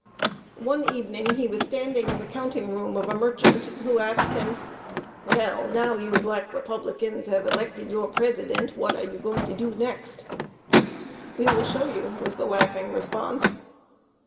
One evening he was standing in the counting room of a merchant, who asked him: "Well, now you Black Republicans have elected your President, what are you going to do next?" "We will show you," was the laughing response.